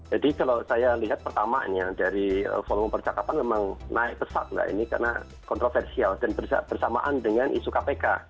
kalau saya lihat pertamanya dari volume percakapan memang naik pesat ini karena kontroversial dan bersamaan dengan isu kpk